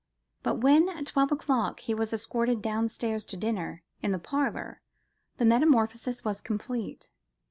But when, at twelve o'clock, he was escorted downstairs to dinner in the parlour, the metamorphosis was complete.